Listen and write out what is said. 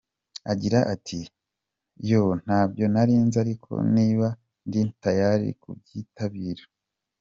Agira ati “Yo ntabyo narinzi ariko nibiba ndi tayari kubyitabira.